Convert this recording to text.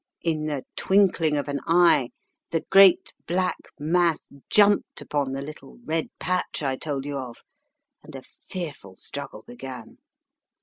"In the twinkling of an eye the great black mass jumped upon the little red patch I told you of, and a fearful struggle began.